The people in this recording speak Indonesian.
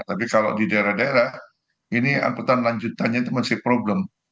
tapi kalau di daerah daerah ini angkutan lanjutannya itu masih problem